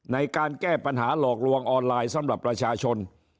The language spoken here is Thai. ในการแก้ปัญหาหลอกลวงออนไลน์สำหรับประชาชน